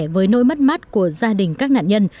với nỗi mắt mắt của gia đình các nạn nhân